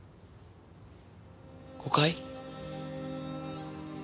誤解？